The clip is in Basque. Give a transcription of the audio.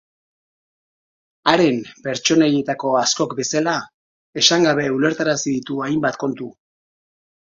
Haren pertsoneietako askok bezala esan gabe ulertarazi ditu hainbat kontu.